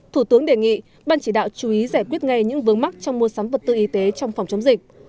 thủ tướng đề nghị ban chỉ đạo chú ý giải quyết ngay những vướng mắc trong mua sắm vật tư y tế trong phòng chống dịch